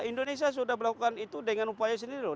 indonesia sudah melakukan itu dengan upaya sendiri loh